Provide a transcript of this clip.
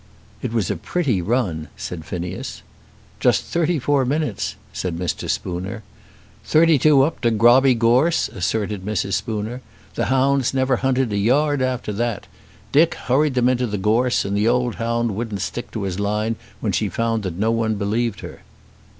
"It was a pretty run," said Phineas. "Just thirty four minutes," said Mr. Spooner. "Thirty two up to Grobby Gorse," asserted Mrs. Spooner. "The hounds never hunted a yard after that. Dick hurried them into the gorse, and the old hound wouldn't stick to his line when she found that no one believed her."